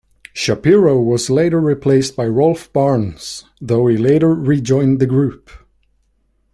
Shapiro was later replaced by Rolf Barnes, though he later rejoined the group.